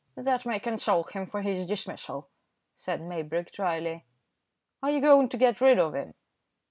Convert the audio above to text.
"That may console him for his dismissal," said Maybrick, dryly. "Are you going to get rid of him?"